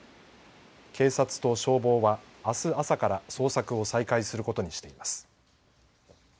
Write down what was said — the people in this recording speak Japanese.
警察と消防はあす朝から捜索を再開することにしています。